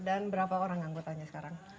dan berapa orang anggotanya sekarang